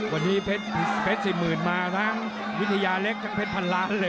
วันนี้เพชร๔๐๐๐มาทั้งวิทยาเล็กทั้งเพชรพันล้านเลย